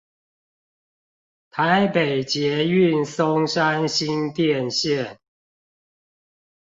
台北捷運松山新店線